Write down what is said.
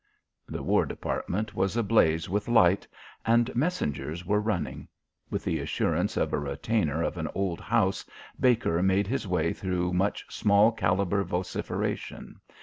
The War Department was ablaze with light, and messengers were running. With the assurance of a retainer of an old house Baker made his way through much small calibre vociferation.